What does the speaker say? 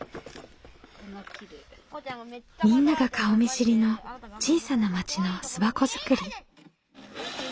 みんなが顔見知りの小さな町の巣箱作り。